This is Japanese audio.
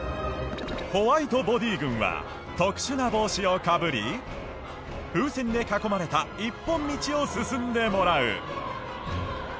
ホワイトボディ軍は特殊な帽子をかぶり風船で囲まれた一本道を進んでもらう。